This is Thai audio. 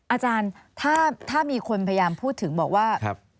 อาจารย์ถ้ามีคนพยายามพูดถึงบอกว่า